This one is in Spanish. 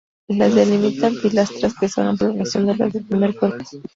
Las delimitan pilastras que son la prolongación de las del primer cuerpo.